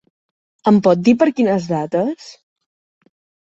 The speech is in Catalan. Em pot dir per quines dates?